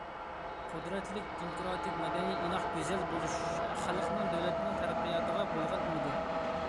قۇدرەتلىك، دېموكراتىك، مەدەنىي، ئىناق، گۈزەل بولۇش- خەلقنىڭ دۆلەتنىڭ تەرەققىياتىغا بولغان ئۈمىدى.